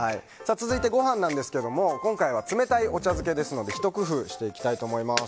続いて、ご飯ですが今回は冷たいお茶漬けですのでひと工夫していきたいと思います。